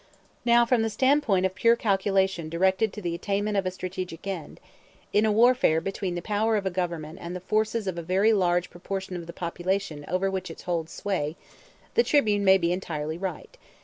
Now from the standpoint of pure calculation directed to the attainment of a strategic end, in a warfare between the power of a Government and the forces of a very large proportion of the population over which it holds sway, the Tribune may be entirely right.